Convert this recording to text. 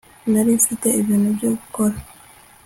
nari mfite ibintu byo gukora